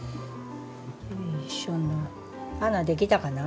よいしょ穴できたかな？